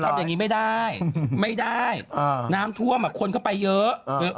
นุ่มทำอย่างงี้ไม่ได้ไม่ได้อ่าน้ำท่วมอ่ะคนก็ไปเยอะเออ